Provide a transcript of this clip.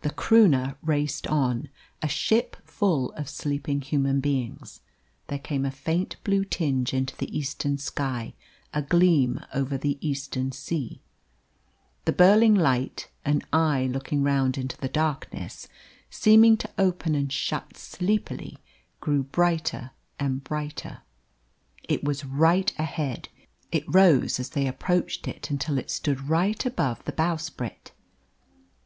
The Croonah raced on, a ship full of sleeping human beings. There came a faint blue tinge into the eastern sky, a gleam over the eastern sea. The Burling light an eye looking round into the darkness, seeming to open and shut sleepily grew brighter and brighter. It was right ahead! it rose as they approached it until it stood right above the bowsprit.